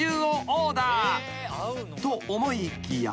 ［と思いきや］